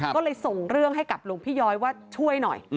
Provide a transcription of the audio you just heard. ก็เลยส่งเรื่องให้กับหลวงพี่ย้อยว่าช่วยหน่อย